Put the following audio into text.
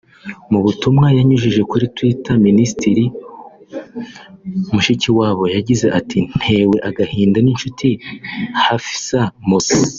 Mu butumwa yanyujije kuri twitter Minisitiri Mushikiwabo yagize ati “Ntewe agahinda n’inshuti Hafsa Mossi